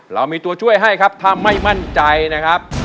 เรามีตัวช่วยให้ครับถ้าไม่มั่นใจนะครับ